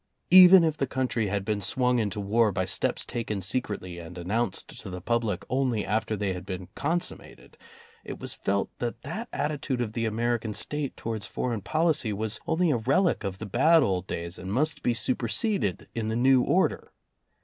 Even if the country had been swung into war by steps taken secretly and announced to the public only after they had been consummated, it was felt that that attitude of the American State towards foreign policy was only a relic of the bad old days and must be superseded in the new order.